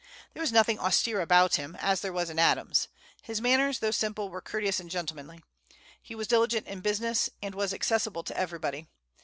There was nothing austere about him, as there was in Adams. His manners, though simple, were courteous and gentlemanly. He was diligent in business, and was accessible to everybody.